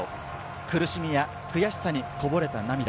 苦しみや悔しさにこぼれた涙。